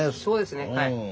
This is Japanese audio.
そうですねはい。